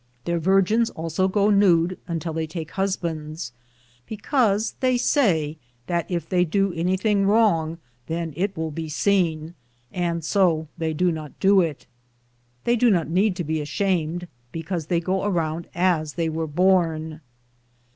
Their virgins also go nude until they take husbands, be cause they say that if they do anything wrong then it will be seen, and so they do not do it. They do not need to be ashamed because they go around as they were born.